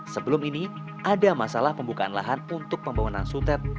sebelum ini ada masalah pembukaan lahan untuk pembawaan suhu